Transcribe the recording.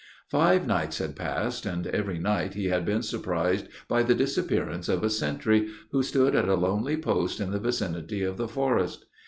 Five nights had passed, and every night he had been surprised by the disappearance of a sentry, who stood at a lonely post in the vicinity of the forest.